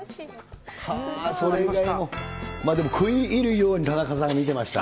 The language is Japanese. それ以外も、まあでも食い入るように田中さんが見てました。